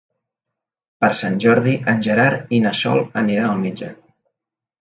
Per Sant Jordi en Gerard i na Sol aniran al metge.